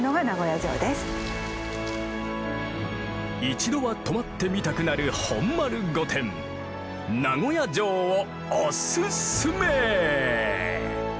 一度は泊まってみたくなる本丸御殿名古屋城をおすすめ！